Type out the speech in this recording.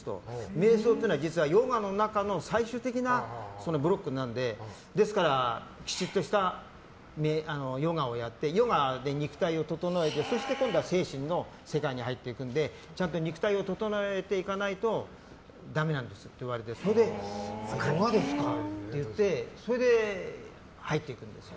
瞑想っていうのは実はヨガの中の最終的なブロックなのでですからきちっとしたヨガをやってヨガで肉体を整えてそして今度は精神の世界に入っていくのでちゃんと肉体を整えていかいないとダメなんですって言われてそうですかってそれで、入っていくんですよ。